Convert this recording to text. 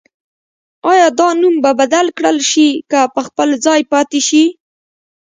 آیا دا نوم به بدل کړل شي که په خپل ځای پاتې شي؟